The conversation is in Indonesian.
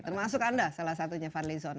termasuk anda salah satunya pak lizon